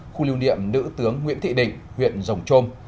khu lưu niệm nữ tướng nguyễn thị định huyện rồng trôm